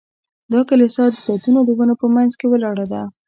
دا کلیسا د زیتونو د ونو په منځ کې ولاړه ده.